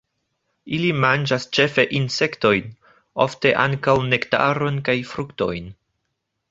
Ili manĝas ĉefe insektojn, ofte ankaŭ nektaron kaj fruktojn.